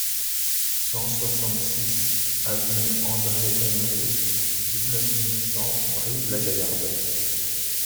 cent soixante-six avenue André Emery, dix-neuf mille cent Brive-la-Gaillarde